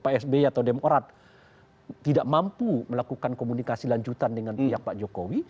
pak sby atau demokrat tidak mampu melakukan komunikasi lanjutan dengan pihak pak jokowi